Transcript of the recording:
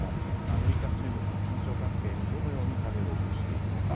アメリカ、中国の緊張関係にどのように影を落としていくのか。